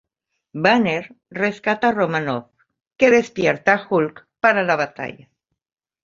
Banner rescata a Romanoff, que despierta a Hulk para la batalla.